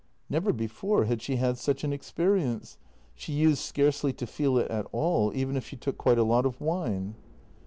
Never before had she had such an experience; she used scarcely to feel it at all, even if she took quite a lot of wine.